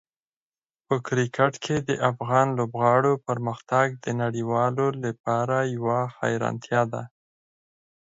په کرکټ کې د افغان لوبغاړو پرمختګ د نړیوالو لپاره یوه حیرانتیا ده.